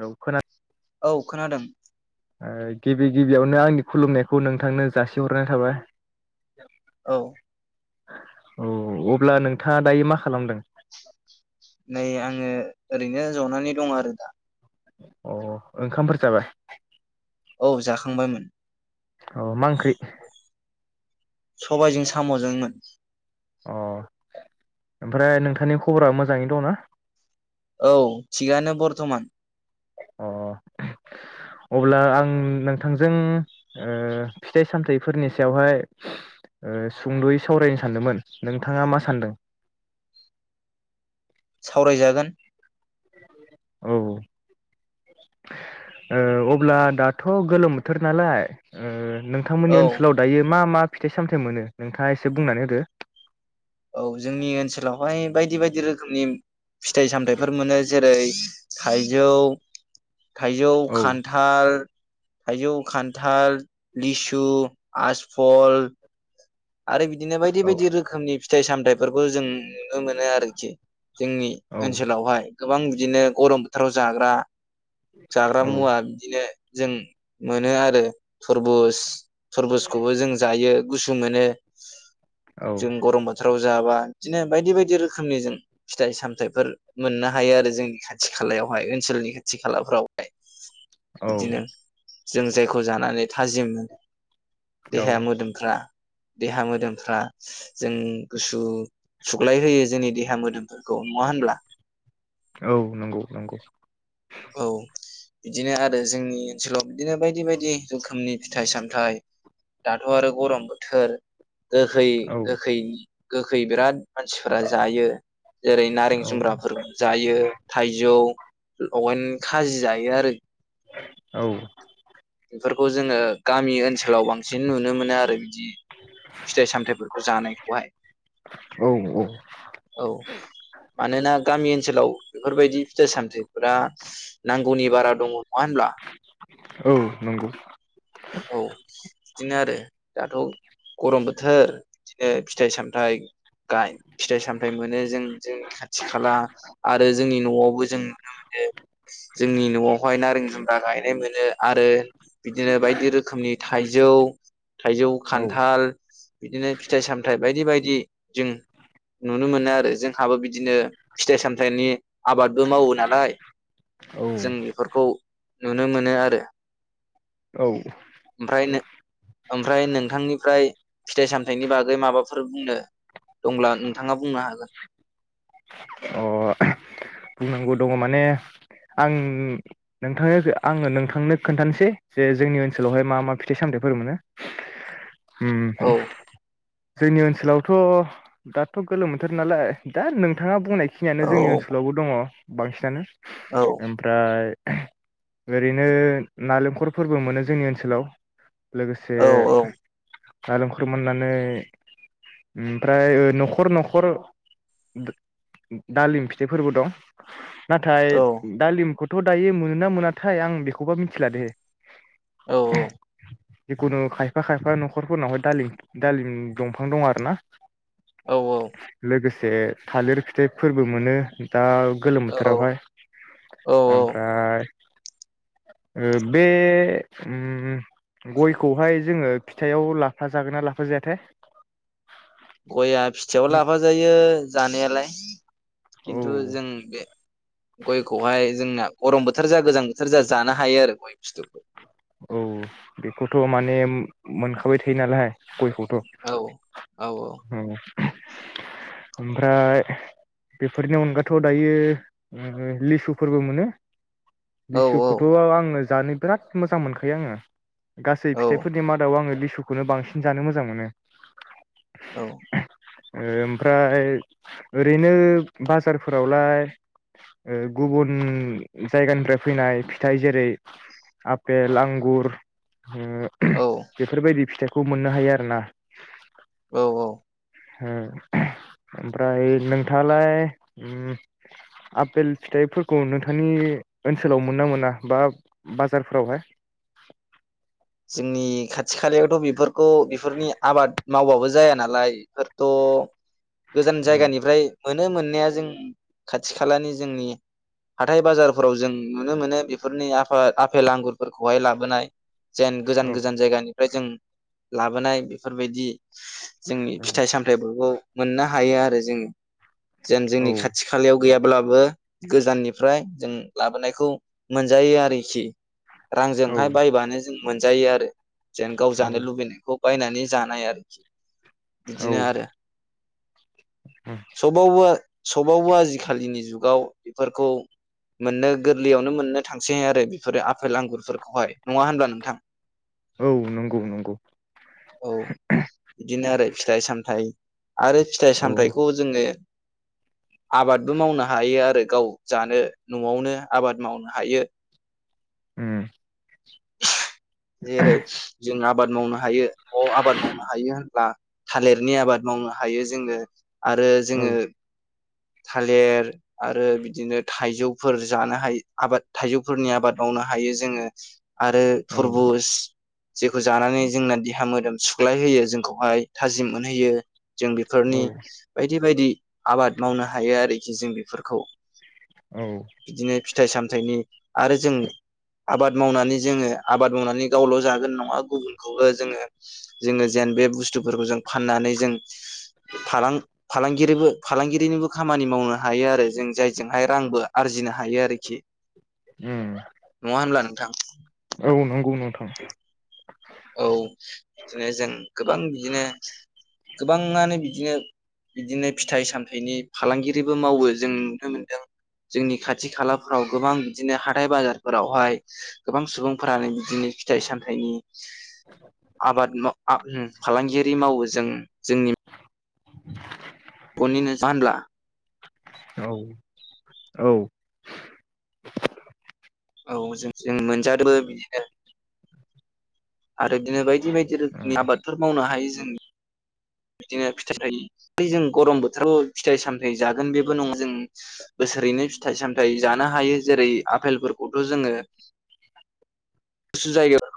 औ खोना औ खोनादों। ओ गिबि गिबियावनो आंनि खुलुमनायखौ नोंथांनो जासिहरनाय थाबाय। औ। औ अब्ला नोंथाङा दायो मा खालामदों? नै आङो ओरैनो जनानै दं आरो दा। अ ओंखामफोर जाबाय। औ जाखांबायमोन। अ मा ओंख्रि? सबायजों साम'जोंमोन। अ। ओमफ्राय नोंथांनि खबरा मोजाङै दंना। औ थिगानो बरथमान। अ अब्ला आं नोंथांजों फिथाइ ओ सामथाइफोरनि सायावहाय ओ सुंद'यै सावरायनो सानदोंमोन नोंथाङा मा सानदों? सावरायजागोन। औ ओ अब्ला दाथ' गोलोम बोथोर नालाय ओ औ नोंथांमोननि ओनसोलाव दायो मा मा। फिथाइ सामथाइ मोनो नोंथाङा एसे बुंनानै होदो। औ जोंनि ओनसोलावहाय बायदि बाय दि रोखोमनि। फिथाइ सामथाइफोर मोनो जेरै थाइजौ। थाइजौ औ खान्थाल। थाइजौ खान्थाल लिसु आजफल आरो बिदिनो बायदि औ बायदि रोखोमनि फि फिथाइ सामथायाइफोरखौ जों नुनो मोनो आरोखि जोंनि ओनसोलावहाय गोबां बिदिनो गरम बोथोराव जाग्रा जाग्रा औ मुवा बिदिनो जों मोनो आरो थरबुज थरबुसखौबो जों जायो गुसु मोनो। सस औ औ जों गरम बोथोराव जाबा बिदिनो बायदि बायदि रोखोमनि जों फिथाइ सामथायाइफोर मोननो हायो आरो जोंनि खाथि खालायावहाय ओनसोलनि खाथि खालाफोरावहाय औ जों जायखौ जानानै थाजिम मोनो औ देहाया मोदोमफ्रा देहा मोदोमफ्रा जों गुसु सुग्लाय होयो जोंनि देहा मोदोमफोरखौ नङा होनब्ला औ नोंगौ नोंगौ औ बिदिनो आरो जोंनि ओनसोलाव बिदिनो बायदि बायदि रोखोमनि फिथाइ सामथाइ दाथ' आरो गरम बोथोर गोखै औ गोखै गोखै बिराद मानसिफोरा जायो जेरै- नारें औ जुम्ब्राफोर जायो थाइजौ लगायनो खाजि जायो आरो औ फोरखौ जोङो गामि ओनसोलाव बांसिन नुनो मोनो आरो बिदि फिथाइ सामथायाइफोरखौ जानायखौहाय औ औ मानोना गामि ओनसोलाव बेफोरबायदि फिथाइ सामथाय फ्रा नांगौनि बारा दङ नङा होनब्ला औ नोंगौ औ बिदिनो आरो दाथ' गरम बोथोर बिदिनो फिथाइ सामथाइ गाय फिथाइ सामथाइ मोनो जों जोंनि खाथि खाला आरो जोंनि न'आवबो जों नुनो मोनो। जोंनि न'आवहाय नारें जुम ब्रा गायनाय मोनो आरो बिदिनो बाय खोमनि थाइजौ थाइजौ औ खान्थाल बिदिनो फिथाइ सामथाय बाय दि बायदि जों नुनो मोनो आरो जोंहाबो बिदिनो फिथाइ सामथाइनि आबादबो मावो नालाय जों औ बेफोरखौ नुनो मोनो आरो। औ ओमफ्राय नों ओमफ्राय नोंथांनिफ्राय फिथाइ सामथायाइनि बागै माबाफोर बुंनो दंब्ला नोंथाङा बुंनो हागोन। अ बुंनांगौ दङ माने आं नों नोंथांनो आङो नोंथांनो खोन्थानोसै, जे जोंनि ओनसोलावहाय मा मा फिथाइ सामथायाइफोर मोनो। उम औ जोंनि ओनसोलावथ' दाथ' गोलोम बोथोर नालाय दा नों थाङा बुंनाय खिनियानो औ जोंनि ओनसोलावबो दङ। बांसिनानो औ ओमफ्राय ओरैनो नालेंखर फोरबो मोनो जोंनि ओनसोलाव। लोगोसे औ नालेंखर मोननानै ओमफ्राय ओ न'खर न'खर दो-दालिम फिथाइफोरबो दं। नाथाय औ दालिमखौ थ' दायो मोनोना मोनाथाय आं बेखौबा मिथिला दे। औ औ जिखुनु खायफा खायफा न'खरफोरनावहाय दालिम दालिम दंफां दं आरो ना। औ औ से थालिर फिथाइफोरबो मोनो दा गोलोम बोथोरावहाय। औ औ औ ओमफ्राय ओ बे ओम गयखौहाय जोङो फिथाइाव लाफा जागोन ना लाफा जायाथाय? गयआ फिथाइयाव लाफा जायो जानायालाय। खिन्थु औ जों बे गयखौहाय जोंना गरम बोथोर जा गोजां बोथोर जा जानो हायो आरो गय फिथुखौ। औ बेखौथ' माने मोनखाबाय थायो नालाय गयखौ औ औ ओम ओमफ्राय बेफोरनि अनगाथ' दायो ओम लिसुफोरबो मोनो। औ लिसुखौथ' आ-आंनो जानि बिराद मोजां मोनखायो आङो। गासै औ फिथाइफोरनि मादाव आङो लि लिसुखौनो बांसिन जानो मोजां मोनो औ ओमफ्राय ओरैनो बाजारफोरावलाय ओ गुबुन जायगानिफ्राय फैनाय फिथाइ जेरै आपेल आंगुर ओम औ बेफोर बायदि फिथाइ खौ मोननो हायो आरो ना औ औ हो ओमफ्राय नोंथाङालाय ओम आपेल फिथाइफोरखौ नोंथांनि ओनसोलाव मोनोना मोना बा बा बाजारफोरावहाय। जोंनि खाथि खालायावथ बेफोरखौ बेफोरनि आबाद मावबाबो जाया नालाय बेफोरथ गोजान जायगानिफ्राय। मोनो मोननाया जों खाथि खालानि जोंनि हाथाय बाजारफोराव जों नुनो मोनो बेफोरनि आफा आफेल आंगुरफोरखौहाय लाबोनाय। जेन गोजान उम गोजान जायगानि ओमफ्राय जों लाबोनाय बेफोरबायदि जोंनि औ फिथाइ सामथाइफोरखौ मोननो हायो आरो जोङो जेन जोंनि औ खाथि खालायाव गैयाब्लाबो गोजाननिफ्राय जों लाबोनायखौ मोनजायो आरोखि रांजोंहाय औ बायबानो जों मोनजायो आरो जेन गाव जानो औ लुबैनायखौ बायनानै जानाय आरोखि बिदिनो औ आरो सबावबो सबावबो आजिखालिनि जुगाव बेफोरखौ मोननो गोरलैयावनो मोननो थांसै आरो बेफोरो आफेल आंगुरफोरखौहाय। नङा होनब्ला नोंथां औ नंगौ नंगौ औ बिदिनो आरो फिथाइ सामथाय [inaudible] आरो फिथाइ औ सामथाइखौ जोङो आबादबो मावनो हायो आरो गाव जानो न'आवनो आबाद मावनो हायो। उम जेरै जों आबाद मावनो हायो। न'आव आबाद मावनो हायो होनब्ला थालिरनि आबाद मावनो हायो जोङो आरो औ जोङो थालिर आरो बिदिनो थाइजौफोर जानो हायो आबाद थाइजौफोरनि आबाद मावनो हायो जोंङो। आरो औ थुरबुज जेखौ जानानै जोंना देहा मोदोम सुख्लायहोयो जोंखौहाय थाजिम मोनहोयो। जों औ बेफोरनि बायदि बायदि आबाद मावनो हायो आरोखि जों बेफोरखौ। औ थाइ सामथाइनि आरो जों आबाद मावनानै जोंङो आबाद मावनानै गावल' जागोन नंङा गुबुनखौबो जोंङो जोंङो जेन बे बुस्थुफोरखौ जों फाननानै जों फालां- फालांगिरिनिबो खामानि मावनो हायो आरो। जों जायजोंहाय रांबो आरजिनो हायो आरोखि उम नंङा होमब्ला नोंथां? औ नंगौ नोंथां। औ बिदिनो जों गोबां बिदिनो गोबांङानो बिदिनो बिदिनो फिथाइ सामथाइनि फालांगिरिबो मावो जों नुनो मोनदों जोंनि खाथि खालाफ्राव गोबां बिदिनो हाथाय बाजारफोरावहाय गोबां सुबुंफोरानो बिदिनो फिथाइ सामथाइनि आबाद [unintelligible] फालांगियारि मावो जों जोंनि फनि [unintelligible] औ औ औ जों जों [unintelligible] आरो बिदिनो बायदि बायदि उम रोखोमनि आबादफोर मावनो हायो जों बिदिनो फिथाइ जों गरम बोथोराव फिथाइ सामथायाइ जागोन बेबो नंङा जों बोसोरैनो फिथाइ सामथायाइ जानो हायो जेरै आफेलफोरखौथ' जोंङो गुसु जायगायाव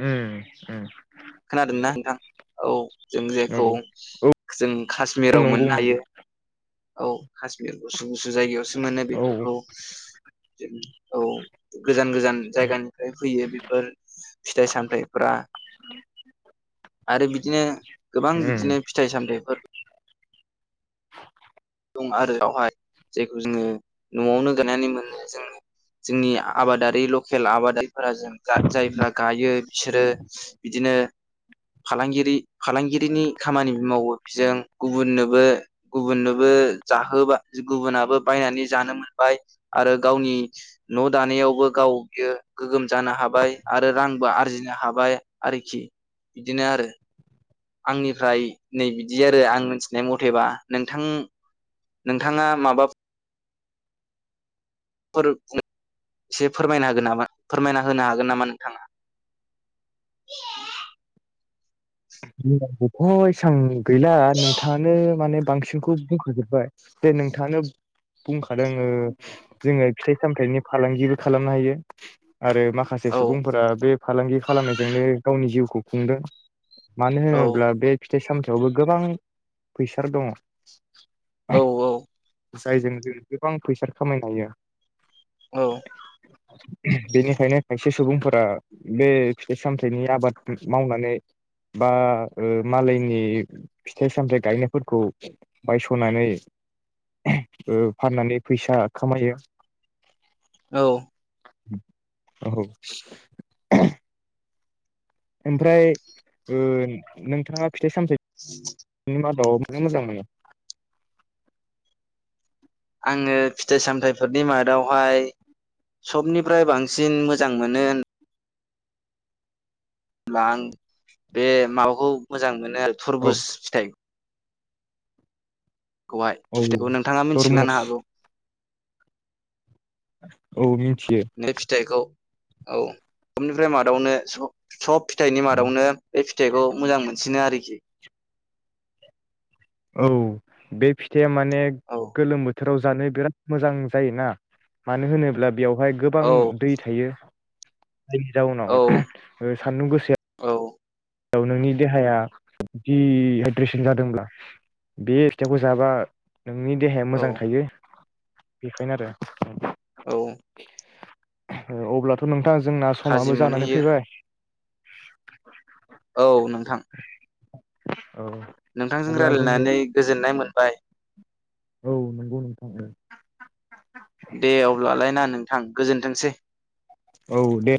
उम उम खोनादोंना नोंथां औ जों जेखौ नंगौ जों कश्मिराव नंगौ मोननो नंगौ हायो। औ कश्मिरखौ सुबुं गुसु जायगायावसो मोनो औ बेफोरखौ औ गोजान गोजान जायगानिफ्राय फैयो बेफोर फिथाइ सामथायाइ फोरा आरो बिदिनो गोबां उम बिदिनो फिथाइ सामथायाइफोर दं आरोवहाय जायखौ जोंङो न'आवनो गायनानै मोनो जोंङो जोंनि आबादारि लकेल आबादारि फोरा जों जा जायफ्रा गायो बिसोरो बिदिनो फालांगिरि फालांगिरिनि खामानि मावो जों गुबुननोबो गुबुननो बो जाहोबा गुबुनाबो बायनानै जानो मोनबाय आरो गावनि न' दानायावबो गाव बियो गोग्गोम जानो हाबाय आरो रांबो आरजिनो हाबाय आरोखि बिदिनो आरो। आंनिफ्राय नै बिदि आरो आं मिथिनाय मथेबा नोंथां नोंथाङा माबा [unintelligible] एसे फोरमायनो हागोन नामा फोरमायना होनो हागोन नामा नोंथाङा? [unintelligible] गैला नोंथाङानो माने बांसिनखौ बुंखजोबबाय जे नोंथाङानो बुंखादों जोङो फिथाइ सामथायाइनि फालांगिबो खालामनो हायो आरो माखासे औ सुबुंफोरा बे फालांगि खालामनायजोंनो गावनि जिउखौ [unintelligible] मानो औ होनोब्ला बे सामथायावबो गोबां फैसा दङ' औ औ जायजों जों गोबां फैसा खामायनो हायो औ बेनिखायनो खायसे सुबुंफोरा बे फिथाइ सामथाइनि आबाद मावनानै बा ओ मालायनि फिथाइ सामथायाइ गायनायफोरखौ बायस' नानै ओ फाननानै फैसा खामायो औ औ ओमफ्राय ओ नोंथाङा फिथाइ सामथाइ [inaudible] मादाव मोजां मोनो? आङो फिथाइ सामथायाइफोरनि मादावहाय सबनिफ्राय बांसिन मोजां मोनो ब्ला आं बे माबाखौ मोजां मोन [unintelligible] औ थुरबुज फिथाइ गहाय औ [unintelligible] नोंथाङा मिन्थिगो तरमुस जानो हागौ औ [unintelligible] फिथाइखौ औ [unintelligible] निफ्राय मादावनो सब सब फिथाइनि मादावनो बे फिथ फिथाइखौ मोजां मोनसिनो आरोखि औ बे फिथ ए माने औ गोलोम बोथ राव जानो बिराद मोजां जायोना मानो होनोब्ला बेयावहाय गोबां औ दै थायो [unintelligible] औ जाउनावओ सान्दुं गोसोाया औ औ नोंनि देहाया दि हाइद्रेसन जादोंब्ला बे फिथाइखौ जाबा नोंनि देहाया मोजां औ थायो बेखायनो आरो औ अब्लाथ' नों दा जोंना समाबो थाजिम जानानै मोनहैयो फैबाय [inaudible] औ नोंथां। औ नोंथांजों अब्ला जोंनि रायलायनानै गोजोननाय मोन बाय औ नंगौ नोंथां औ। थां गोजोनथोंसै। औ दे